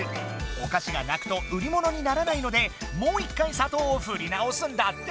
お菓子がなくと売りものにならないのでもう一回砂糖をふり直すんだって。